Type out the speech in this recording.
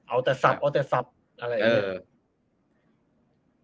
เอาแต่สับเอาแต่สับอะไรอย่างนี้